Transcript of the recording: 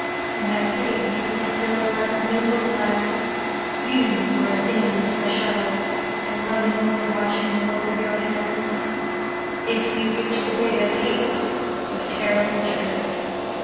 And I pity you still at the loom of life, You who are singing to the shuttle And lovingly watching the work of your hands, If you reach the day of hate, of terrible truth.